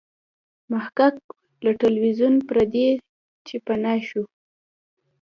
محقق له ټلویزیون پردې چې پناه شو.